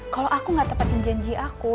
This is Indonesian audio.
kalau aku gak tepatin janji aku